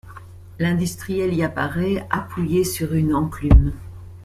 L'industriel y apparaît appuyé sur une enclume.